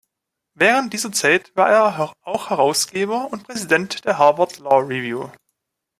Während dieser Zeit war er auch Herausgeber und Präsident der Harvard Law Review.